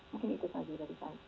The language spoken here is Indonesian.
mungkin itu saja dari saya